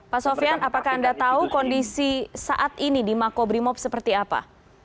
pak sofian apakah anda tahu kondisi saat ini di makobrimob seperti apa